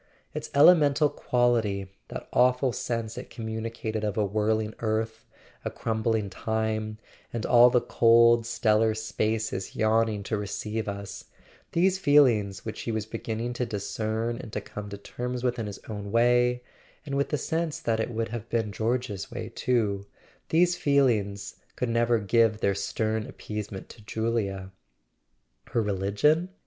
Its elemental quality, that awful sense it com¬ municated of a whirling earth, a crumbling Time, and all the cold stellar spaces yawning to receive us—these feelings which he was beginning to discern and to come to terms with in his own way (and with the sense that it would have been George's way too), these feelings could never give their stern appeasement to Julia. .. Her religion?